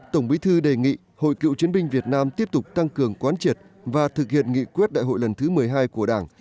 tổng bí thư đề nghị hội cựu chiến binh việt nam tiếp tục tăng cường quán triệt và thực hiện nghị quyết đại hội lần thứ một mươi hai của đảng